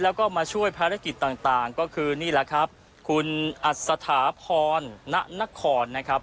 แล้วก็มาช่วยภารกิจต่างก็คือนี่แหละครับคุณอัศถาพรณนครนะครับ